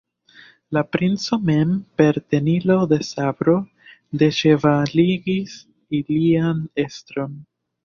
La princo mem per tenilo de sabro deĉevaligis ilian estron.